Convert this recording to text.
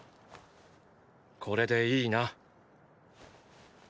これでいいな？